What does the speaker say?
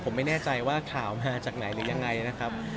ผมไม่แน่ใจว่าข่าวมาจากไหนหรือยังไงนะครับ